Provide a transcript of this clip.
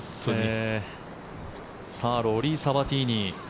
さあ、ローリー・サバティーニ。